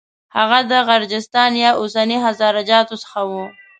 هغه د غرجستان یا اوسني هزاره جاتو څخه و.